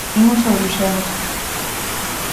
Imos a Bruxelas.